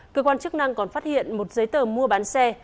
cơ quan chức năng còn phát hiện một giấy tờ mua bán xe